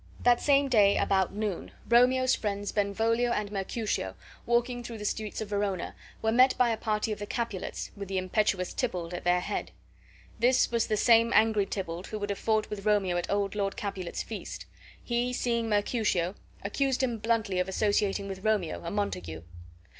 That same day, about noon, Romeo's friends, Benvolio and Mercutio, walking through the streets of Verona, were met by a party of the Capulets with the impetuous Tybalt at their head. This was the same angry Tybalt who would have fought with Romeo at old Lord Capulet's feast. He, seeing Mercutio, accused him bluntly of associating with Romeo, a Montague.